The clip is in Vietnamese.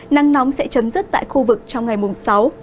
nắng nóng sẽ chấm dứt tại khu vực trong ngày mùng sáu